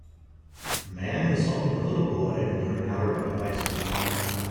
A man is helping a little boy learn how to ride a bicycle.